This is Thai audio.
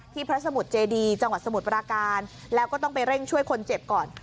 พระสมุทรเจดีจังหวัดสมุทรปราการแล้วก็ต้องไปเร่งช่วยคนเจ็บก่อน